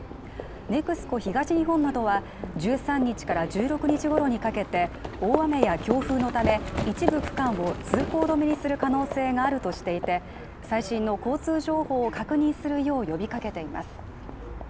ＮＥＸＣＯ東日本などは１３日から１６日ごろにかけて大雨や強風のため一部区間を通行止めにする可能性があるとしていて最新の交通情報を確認するよう呼びかけています